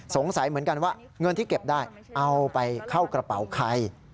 สงสัยเหมือนกันว่าเงินที่เก็บได้เอาไปเข้ากระเป๋าใคร